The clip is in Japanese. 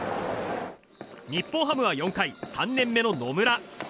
日本ハムは４回３年目の野村。